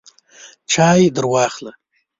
چای درواخله !